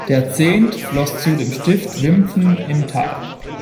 Der Zehnt floss zu dem Stift Wimpfen im Tal.